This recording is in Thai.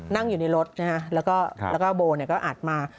นั่งอยู่ในรถแล้วก็โบ่อัดมา